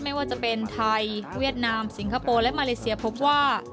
ไม่ว่าจะเป็นไทยเวียดนามสิงคโปร์และมาเลเซียพบว่า